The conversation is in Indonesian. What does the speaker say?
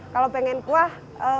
kalau pengen kuah